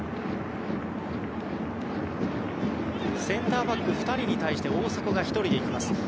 センターバック２人に対して大迫が１人でいきます。